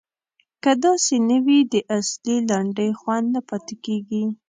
که داسې نه وي د اصیلې لنډۍ خوند نه پاتې کیږي.